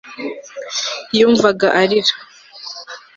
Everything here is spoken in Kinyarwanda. yumvaga arira